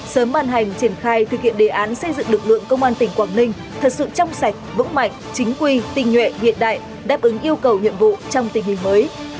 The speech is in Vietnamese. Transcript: sớm bàn hành triển khai thực hiện đề án xây dựng lực lượng công an tỉnh quảng ninh thật sự trong sạch vững mạnh chính quy tình nhuệ hiện đại đáp ứng yêu cầu nhiệm vụ trong tình hình mới